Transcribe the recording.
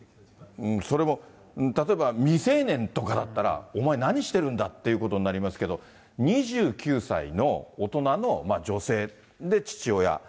それも、例えば、未成年とかだったら、お前何してるんだっていうことになりますけど、２９歳の大人の女性で、父親。